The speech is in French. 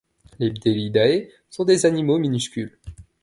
Les Bdellidae sont des animaux minuscules.